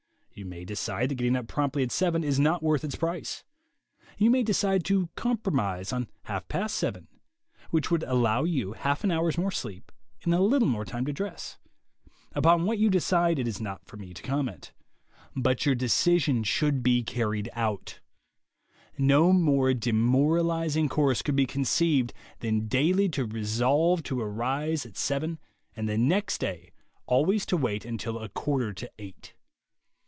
You may decide that getting up promptly at seven is not worth its price. You may decide to compromise on half past seven, which would allow you half an hour's more sleep and a little more time to dress. Upon what you decide it is not for me to comment. But your decision should 38 THE WAY TO WILL POWER be carried out. No more demoralizing course could be conceived than daily to resolve to arise at seven and the next day always to wait until a quarter to eight.